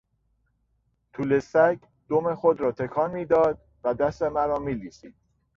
توله سگ دم خود را تکان میداد و دست مرا میلیسید.